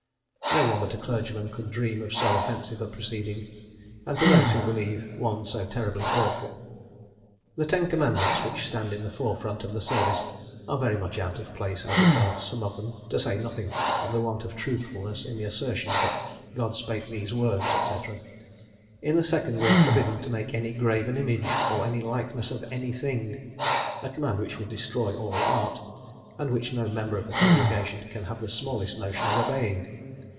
No one but a clergyman could dream of so offensive a proceeding, and, to those who believe, one so terribly awful. The Ten Commandments which stand in the fore front of the service are very much out of place as regards some of them, to say nothing of the want of truthfulness in the assertion, that "God spake these words," &c. In the second we are forbidden to make any graven image, or any likeness of any thing, a command which would destroy all art, and which no member of the congregation can have the smallest notion of obeying.